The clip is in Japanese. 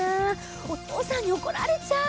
お父さんに怒られちゃう。